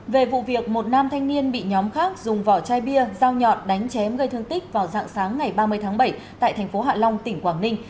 về vụ việc một nam thanh niên bị nhóm khác dùng vỏ chai bia dao nhọt đánh chém gây thương tích vào dạng sáng ngày ba mươi tháng bảy tại thành phố hạ long tỉnh quảng ninh